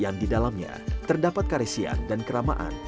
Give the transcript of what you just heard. yang di dalamnya terdapat karesian dan keramaan